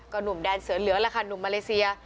หนุ่มแดนเสือเหลือล่ะค่ะหนุ่มมาเลเซีย